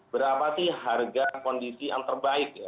berapa sih harga kondisi yang terbaik ya